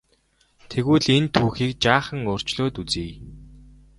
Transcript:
Тэгвэл энэ түүхийг жаахан өөрчлөөд үзье.